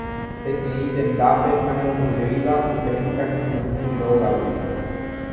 peteĩ tendápe namombyrýiva upe mitãkuñami rógagui.